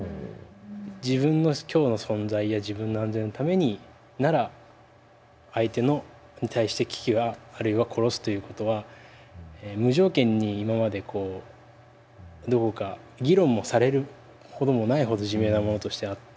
自分の今日の存在や自分の安全のためになら相手に対して危機はあるいは殺すということは無条件に今までこうどこか議論もされるほどもないほど自明なものとしてあった。